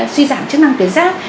suy giảm chức năng tuyến giáp